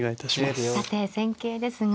さて戦型ですが。